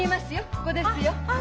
ここですよ。